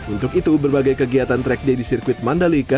untuk itu berbagai kegiatan track day di sirkuit mandalika